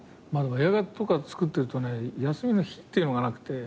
映画とか作ってるとね休みの日っていうのがなくて。